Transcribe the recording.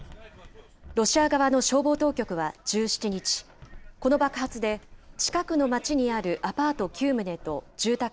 ロシア側の消防当局は１７日、この爆発で、近くの町にあるアパート９棟と住宅